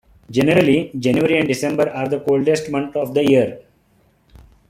Generally, January and December are the coldest month of the year.